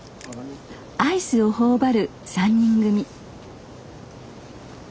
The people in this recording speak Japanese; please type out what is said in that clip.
アイスを頬張る３人組。